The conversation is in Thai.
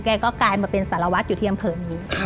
แกก็กลายมาเป็นสารวัตรอยู่ที่อำเภอนี้